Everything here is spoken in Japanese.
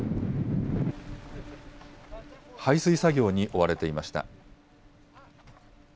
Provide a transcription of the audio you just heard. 排水作業に追われていました。